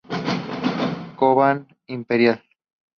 Cobán Imperial.